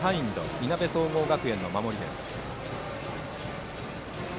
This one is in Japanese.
いなべ総合学園の守りです。